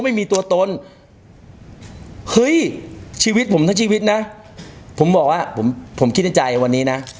ไม่มีตัวตนเฮ้ยชีวิตผมทั้งชีวิตนะผมบอกว่าผมผมคิดในใจวันนี้นะ